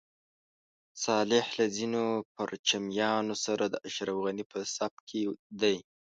صالح له ځینو پرچمیانو سره د اشرف غني په صف کې دی.